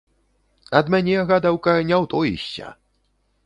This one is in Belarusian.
Ад мяне, гадаўка, не ўтоішся!